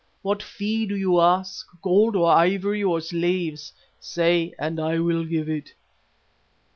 What fee do you ask? Gold or ivory or slaves? Say and I will give it.